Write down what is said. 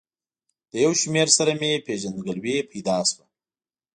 له یو شمېر سره مې پېژندګلوي پیدا شوه.